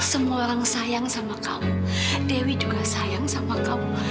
semua orang sayang sama kamu dewi juga sayang sama kamu